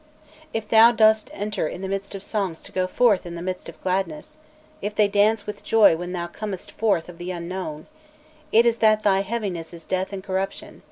If thou dost enter in the midst of songs to go forth in the midst of gladness, if they dance with joy when thou comest forth out of the unknown, it is that thy heaviness is death and corruption.